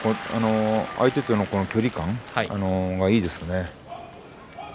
相手との距離感いいですね。